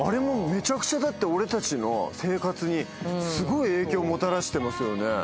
もうめちゃくちゃ俺たちの生活にすごい影響もたらしてますよね。